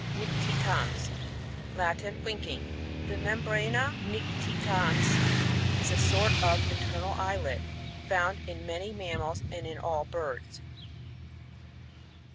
NicTiTANS. — Latin. Winking. The merobrana nictitani^, is a sort ot internal eyelid, found in many mammals, and in all birds.